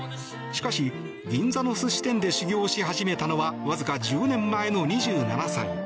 しかし、銀座の寿司店で修業し始めたのはわずか１０年前の２７歳。